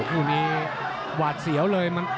คู่นี้หวาดเสียวเลย